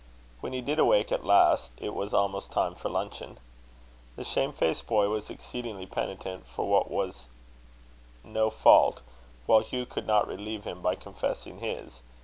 When he did awake at last, it was almost time for luncheon. The shame faced boy was exceedingly penitent for what was no fault, while Hugh could not relieve him by confessing his.